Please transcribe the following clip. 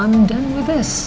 aku udah selesai deh